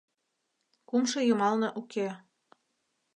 Кумшо йымалне уке.